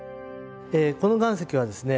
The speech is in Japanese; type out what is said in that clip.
この岩石はですね